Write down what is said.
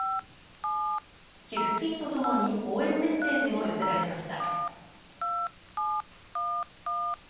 寄付金とともに応援メッセージも寄せられました。